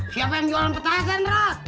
siapa yang jual petasan ros